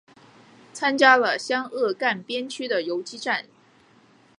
参加了湘鄂赣边区的游击战。